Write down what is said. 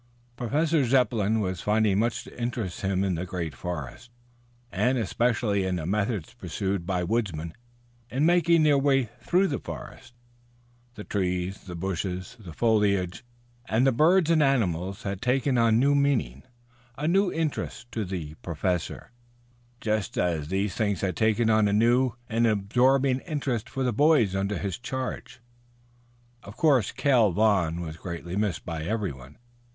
Professor Zepplin was finding much to interest him in the great forests, and especially in the methods pursued by woodsmen in making their way through the forests. The trees, the bushes, the foliage and the birds and animals had taken on a new meaning, a new interest to the Professor, just as these things had taken on a new and absorbing interest for the boys under his charge. Of course Cale Vaughn was greatly missed by everyone.